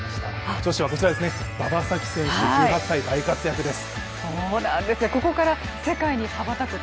女子はこちらですね、馬場咲希選手１８歳大活躍です。